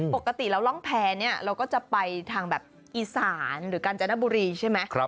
ปกติแล้วร่องแพ้เนี่ยเราก็จะไปทางแบบอีสานหรือกาญจนบุรีใช่ไหม